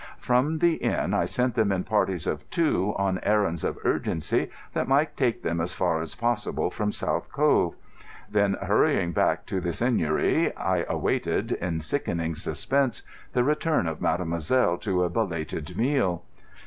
From the inn I sent them in parties of two, on errands of urgency that would take them as far as possible from South Cove. Then, hurrying back to the Seigneury, I awaited, in sickening suspense, the return of mademoiselle to a belated meal.